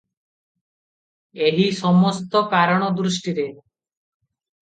ଏହି ସମସ୍ତ କାରଣ ଦୃଷ୍ଟିରେ ।